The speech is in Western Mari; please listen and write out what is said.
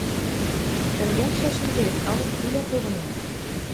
— Тӹнгӓлшӓш ӹнде, халык пӱлӓ погынен.